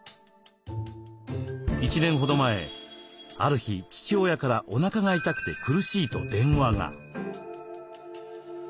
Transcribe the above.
１年ほど前ある日父親からおなかが痛くて苦しいと電話が。